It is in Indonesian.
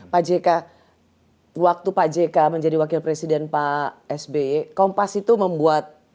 pak jk waktu pak jk menjadi wakil presiden pak sby kompas itu membuat